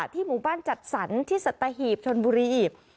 หมู่บ้านจัดสรรที่สัตหีบชนบุรีหีบ